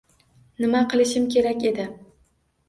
Nima qilishim kerak edi?